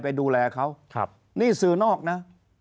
ไปดูแลเขานี่สื่อนอกนะ